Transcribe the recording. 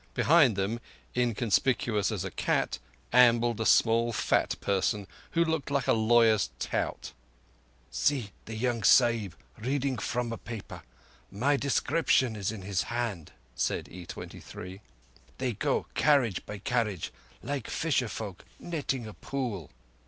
Behind them, inconspicuous as a cat, ambled a small fat person who looked like a lawyer's tout. "See the young Sahib reading from a paper. My description is in his hand," said E23. "Thev go carriage by carriage, like fisher folk netting a pool."